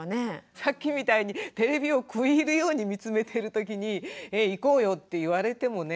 さっきみたいにテレビを食い入るように見つめているときに「行こうよ」って言われてもね。